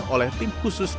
oleh tim khusus halal